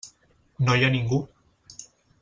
No hi ha ningú.